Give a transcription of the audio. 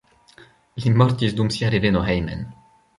Li mortis dum sia reveno hejmen.